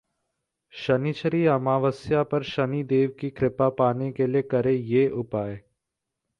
शनिश्चरी अमावस्या पर शनि देव की कृपा पाने के लिए करें ये उपाय